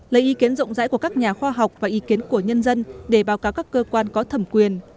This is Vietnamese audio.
lấy ý kiến rộng rãi của các nhà khoa học và ý kiến của nhân dân để báo cáo các cơ quan có thẩm quyền